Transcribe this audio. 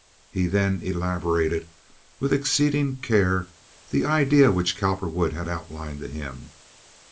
He then elaborated with exceeding care the idea which Cowperwood had outlined to him.